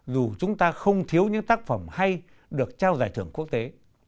dù chúng ta không thiếu những tác phẩm hay được trao giải thưởng quốc tế